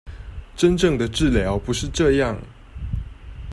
真正的治療不是這樣